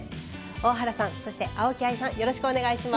大原さんそして青木愛さんよろしくお願いします。